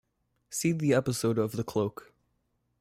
See the episode of the cloak.